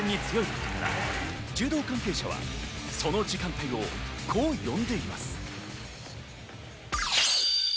延長戦に強いため柔道関係者はその時間帯をこう呼んでいます。